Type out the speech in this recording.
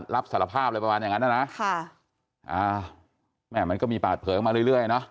รับสารภาพอะไรประมาณอย่างนั้นนะค่ะมันก็มีปากเผยมาเรื่อยเนอะ